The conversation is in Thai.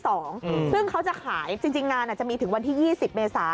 ซึ่งเขาจะขายจริงงานจะมีถึงวันที่๒๐เมษา